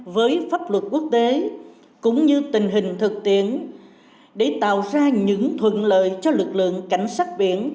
với pháp luật quốc tế cũng như tình hình thực tiễn để tạo ra những thuận lợi cho lực lượng cảnh sát biển